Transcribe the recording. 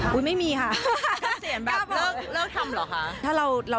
รูปเราไม่ยอมแก่แน่